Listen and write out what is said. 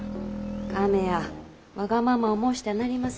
亀やわがままを申してはなりません。